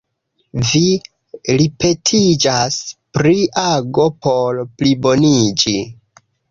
Vi ripetiĝas pri ago por pliboniĝi.